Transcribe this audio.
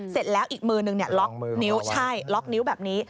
เสร็จแล้วอีกมือนึงล็อกนิ้วใช่ล็อกนิ้วแบบนี้